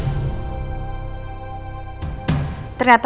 ternyata pesan pakai aplikasi juga nangis